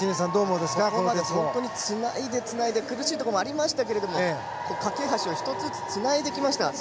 ここまでつないでつないで苦しいところもありましたけど架け橋を１つずつつないできました。